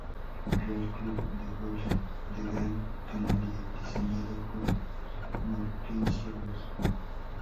Real Club de Golf de Gran Canaria diseñado por Mackenzie Ross.